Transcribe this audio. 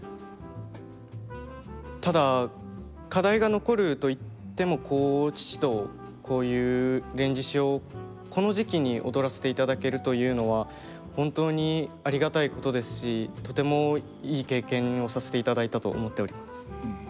ただ課題が残ると言っても父とこういう「連獅子」をこの時期に踊らせていただけるというのは本当にありがたいことですしとてもいい経験をさせていただいたと思っております。